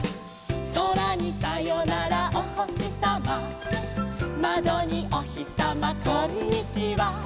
「そらにさよならおほしさま」「まどにおひさまこんにちは」